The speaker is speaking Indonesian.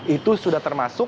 itu sudah termasuk